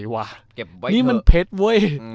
ว่ะเก็บไว้เถอะนี้มันเผ็ดเว้ย